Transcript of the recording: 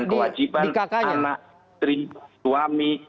kewajiban anak pribadi suami